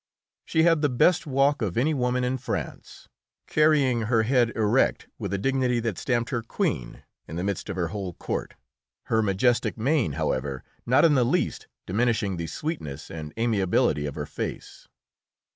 She had the best walk of any woman in France, carrying her head erect with a dignity that stamped her queen in the midst of her whole court, her majestic mien, however, not in the least diminishing the sweetness and amiability of her face.